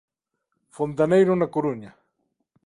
Fontaneiro na Coruña.